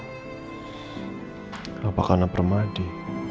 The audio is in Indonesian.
kenapa karena pemadi